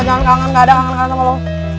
jangan kangen gak ada kangen kangen sama lo